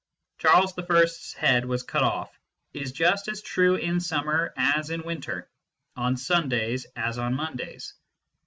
" Charles I s head was cut off " is just as true in summer as in winter, on Sundays as on Mondays.